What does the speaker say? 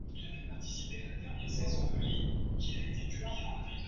kusafirisha au kuuza bangi nchini Kenya